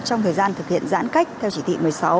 trong thời gian thực hiện giãn cách theo chỉ thị một mươi sáu